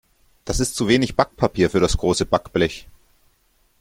Das ist zu wenig Backpapier für das große Backblech.